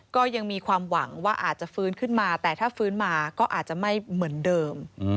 ก็ยังมีความหวังว่าอาจจะฟื้นขึ้นมาแต่ถ้าฟื้นมาก็อาจจะไม่เหมือนเดิม